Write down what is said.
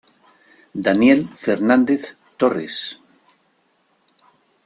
Daniel Fernández Torres.